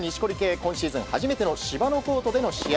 今シーズン初めての芝のコートでの試合。